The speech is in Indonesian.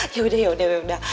yaudah yaudah yaudah